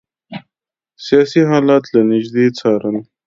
سیاسي حالات له نیژدې څارل.